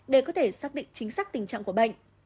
để có thể xác định chính xác tình trạng của bệnh